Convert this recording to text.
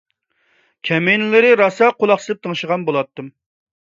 كەمىنىلىرى راسا قۇلاق سېلىپ تىڭشىغان بولاتتىم.